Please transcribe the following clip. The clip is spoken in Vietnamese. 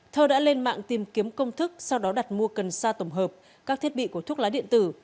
thơ đã lên mạng tìm kiếm công thức sau đó đặt mua cần sa tổng hợp các thiết bị của thuốc lá điện tử